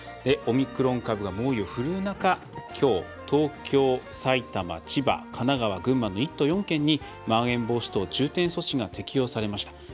オミクロン株が猛威を振るう中きょう、東京、埼玉千葉、神奈川、群馬の１都４県にまん延防止等重点措置が適用されました。